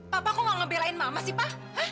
papa kok mau ngebelain mama sih pa